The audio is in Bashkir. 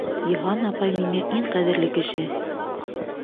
Йыһан апай миңә иң ҡәҙерле кеше!